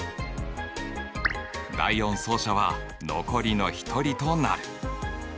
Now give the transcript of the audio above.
第４走者は残りの一人となる。